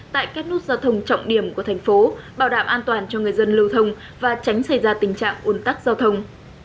tại các nút giao thông trọng điểm của thành phố bảo đảm an toàn cho người dân lưu thông và tránh xảy ra tình trạng ồn tắc giao thông